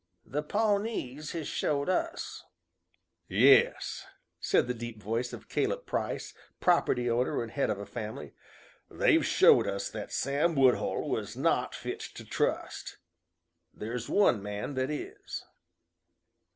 The Pawnees has showed us." "Yes," said the deep voice of Caleb Price, property owner and head of a family; "they've showed us that Sam Woodhull was not fit to trust. There's one man that is."